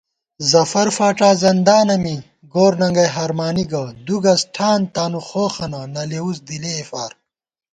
ظفر فاڄا زندانہ می گورننگئ ہرمانی گہ * دُو گز ٹھان تانُو خوخَنہ نہ لېؤس دِلّیےفار